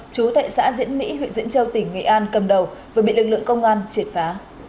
chú tại xã diễn mỹ huyện diễn châu tỉnh nghệ an cầm đầu vừa bị lực lượng công an triệt phá